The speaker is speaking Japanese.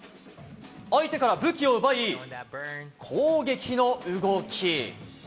相手から武器を奪い、攻撃の動き。